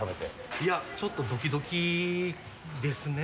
いや、ちょっとどきどきですね。